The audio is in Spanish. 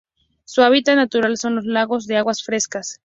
Su hábitat natural son los lagos de aguas frescas.